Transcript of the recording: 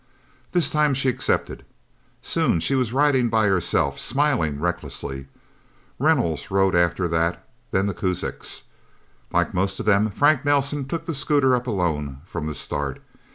This time she accepted. Soon she was riding by herself, smiling recklessly. Reynolds rode after that, then the Kuzaks. Like most of them, Frank Nelsen took the scooter up alone, from the start.